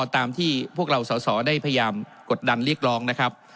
ตามที่พวกเราสอสอได้พยายามกดดันเรียกร้องนะครับ